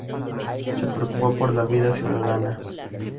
Se preocupó por la vida ciudadana.